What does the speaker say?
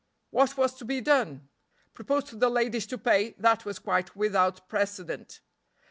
What was to be done? Propose to the ladies to pay, that was quite without precedent.